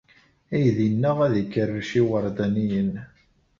Aydi-nneɣ ad ikerrec iwerdaniyen.